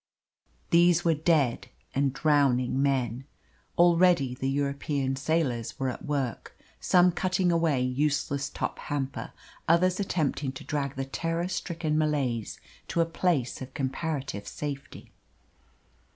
These were dead and drowning men. Already the European sailors were at work, some cutting away useless top hamper, others attempting to drag the terror stricken Malays to a place of comparative safety.